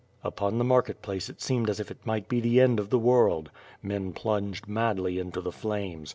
'' Upon the market place it seemed as if 't might be the end of the world. Men plunged madly into the flames.